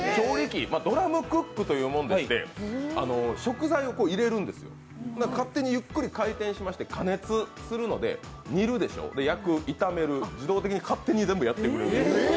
ドラムクックというものでして食材を入れるんですよ、勝手にゆっくり回転しまして加熱するので煮る、焼く、炒める、自動的に勝手に全部やってくれる。